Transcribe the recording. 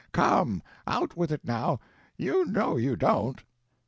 Come, out with it now; you know you don't!"